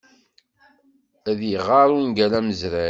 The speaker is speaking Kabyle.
Ad iɣer ungal amezray.